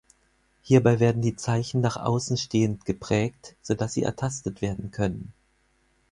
Hierbei werden die Zeichen nach außen stehend geprägt, so dass sie ertastet werden können.